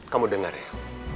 kamu denger ya